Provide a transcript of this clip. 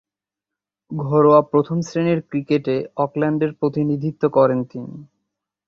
ঘরোয়া প্রথম-শ্রেণীর ক্রিকেটে অকল্যান্ডের প্রতিনিধিত্ব করেন তিনি।